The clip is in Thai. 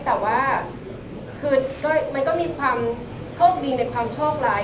แต่ว่าคือมันก็มีความโชคดีในความโชคร้าย